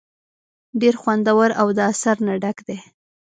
ډېر خوندور او د اثر نه ډک دے ۔